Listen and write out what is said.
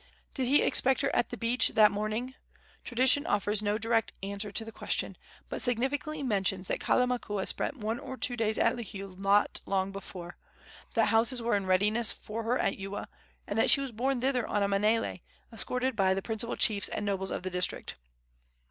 Did he expect her at the beach that morning? Tradition offers no direct answer to the question, but significantly mentions that Kalamakua spent one or two days at Lihue not long before, that houses were in readiness for her at Ewa, and that she was borne thither on a manele, escorted by the principal chiefs and nobles of the district.